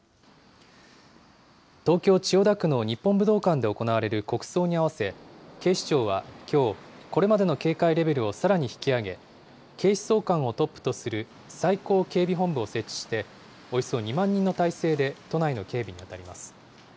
東京・千代田区の日本武道館で行われる国葬に合わせ、警視庁はきょう、これまでの警戒レベルをさらに引き上げ、警視総監をトップとする最高警備本部を設置して、およそ２万人の態勢で都内の警備に当たります。